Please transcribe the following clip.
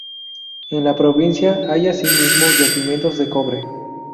En la provincia hay asimismo yacimientos de cobre.